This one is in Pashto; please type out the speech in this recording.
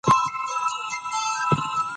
قومونه د افغانستان د جغرافیایي موقیعت پایله ده.